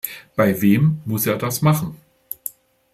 Bei wem muss er das machen?